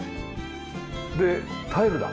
でタイルだ。